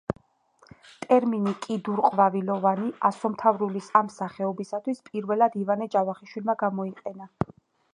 ტერმინი „კიდურყვავილოვანი“ ასომთავრულის ამ სახეობისათვის პირველად ივანე ჯავახიშვილმა გამოიყენა.